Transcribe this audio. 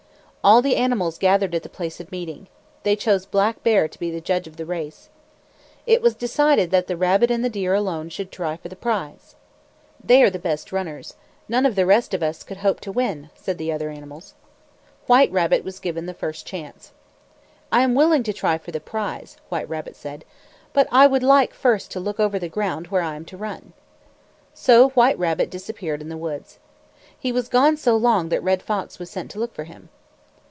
All the animals gathered at the place of meeting. They chose Black Bear to be judge of the race. It was decided that the rabbit and the deer alone should try for the prize. "They are the best runners. None of the rest of us could hope to win," said the other animals. White Rabbit was given the first chance. "I am willing to try for the prize," White Rabbit said, "but I would like first to look over the ground where I am to run." So White Rabbit disappeared in the woods. He was gone so long that Red Fox was sent to look for him.